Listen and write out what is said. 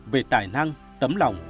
vì tài năng tấm lòng